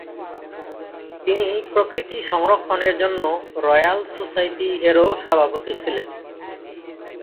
তিনি প্রকৃতি সংরক্ষণের জন্য রয়্যাল সোসাইটি-এরও সভাপতি ছিলেন।